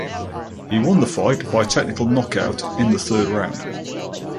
He won the fight by technical knockout in the third round.